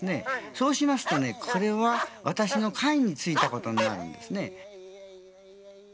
そうしますと、これは私の下位についたことになるんですね。